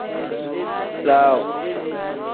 Laaw.